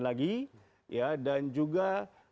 lagi dan juga